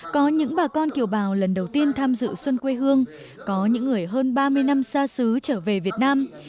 có những bà con kiều bào lần đầu tiên tham dự xuân quê hương có những người hơn ba mươi năm xa xứ trở về việt nam